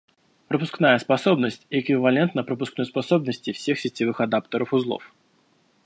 Пропускная способность эквивалентна пропускной способности всех сетевых адаптеров узлов